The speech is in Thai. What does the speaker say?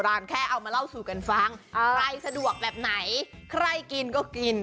ร้านแค่เอามาเล่าสู่กันฟังใครสะดวกแบบไหนใครกินก็กิน